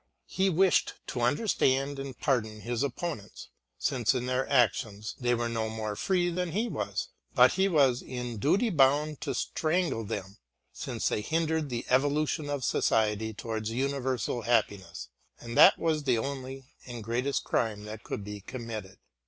He wished to understand and pardon his opponents, since in their actions they were no more free than he was, but he was in duty bound to strangle them since they hindered the evolution of society towards universal happiness, and that was the only and greatest crime that could be committed.